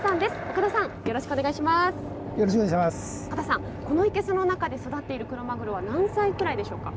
岡田さん、このいけすの中で育っているクロマグロは何歳くらいでしょうか。